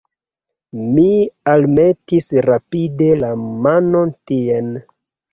Mi almetis rapide la manon tien.